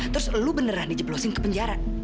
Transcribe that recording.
terus lu beneran di jeblosing ke penjara